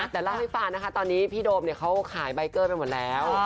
แต่ลองไม่ฟาตอนนี้พี่โดมเนี้ยเขาขายไปหล่อแล้ว